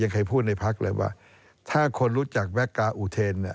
อย่างใครพูดในพลักษณ์เลยว่าถ้าคนรู้จักแวกกาอุเทน